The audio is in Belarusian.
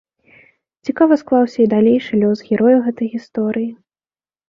Цікава склаўся і далейшы лёс герояў гэтай гісторыі.